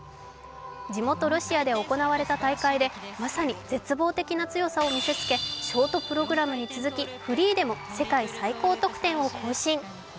地元ロシアで行われた大会でまさに絶望的な強さを見せつけショートプログラムに続きフリーでも世界最高得点を更新。